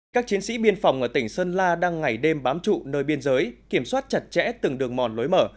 các chiến sĩ biên phòng ở tỉnh sơn la đang ngày đêm bám trụ nơi biên giới kiểm soát chặt chẽ từng đường mòn lối mở